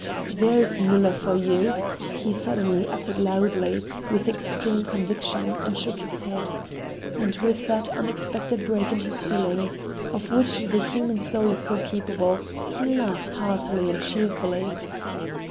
"There is Müller for you!" he suddenly uttered loudly, with extreme conviction, and shook his head. And with that unexpected break in his feelings, of which the human soul is so capable, he laughed heartily and cheerfully.